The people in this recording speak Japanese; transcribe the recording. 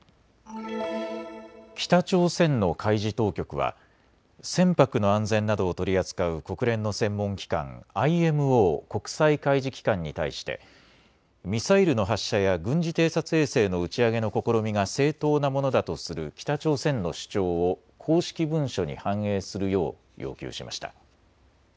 北朝鮮の海事当局は船舶の安全などを取り扱う国連の専門機関、ＩＭＯ・国際海事機関に対してミサイルの発射や軍事偵察衛星の打ち上げの試みが正当なものだとする北朝鮮の主張を公式文書に反映するよう要求しました。